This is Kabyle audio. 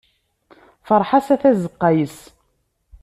Ferḥ-as a tazeqqa yes-s.